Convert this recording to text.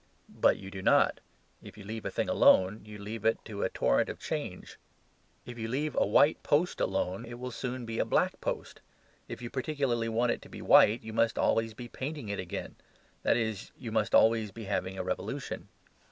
But you do not. If you leave a thing alone you leave it to a torrent of change. If you leave a white post alone it will soon be a black post. If you particularly want it to be white you must be always painting it again; that is, you must be always having a revolution.